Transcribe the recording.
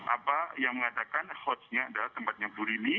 apa yang mengatakan hostnya adalah tempatnya burini